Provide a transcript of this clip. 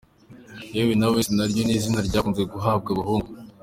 Yewe na West naryo ni izina ryakunze guhabwa abahungu.